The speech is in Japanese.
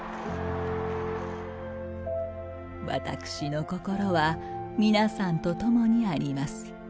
私の心は皆さんと共にあります。